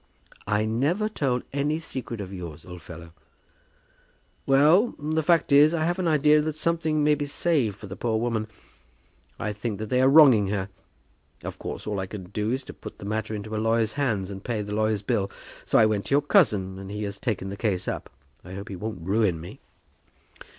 "I never told any secret of yours, old fellow." "Well; the fact is, I have an idea that something may be saved for the poor woman. I think that they are wronging her. Of course all I can do is to put the matter into a lawyer's hands, and pay the lawyer's bill. So I went to your cousin, and he has taken the case up. I hope he won't ruin me."